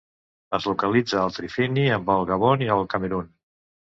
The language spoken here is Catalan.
Es localitza al trifini amb el Gabon i el Camerun.